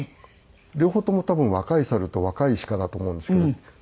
両方とも多分若い猿と若い鹿だと思うんですけど。